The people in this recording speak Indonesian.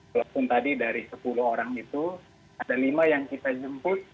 walaupun tadi dari sepuluh orang itu ada lima yang kita jemput